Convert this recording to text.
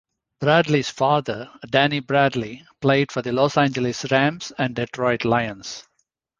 Bradley's father, Danny Bradley, played for the Los Angeles Rams and Detroit Lions.